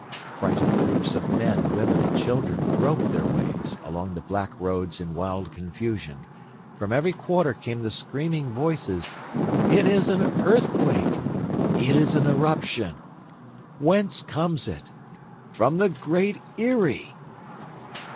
Frightened groups of men, women, and children groped their way along the black roads in wild confusion. From every quarter came the screaming voices: "It is an earthquake!" "It is an eruption!" "Whence comes it?" "From the Great Eyrie!"